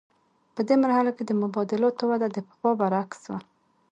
په دې مرحله کې د مبادلاتو وده د پخوا برعکس وه